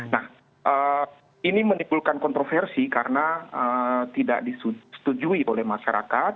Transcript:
nah ini menimbulkan kontroversi karena tidak disetujui oleh masyarakat